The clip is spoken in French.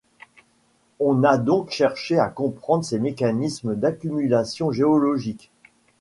On a donc cherché à comprendre ses mécanismes d'accumulation géologique.